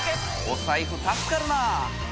お財布助かるなぁ。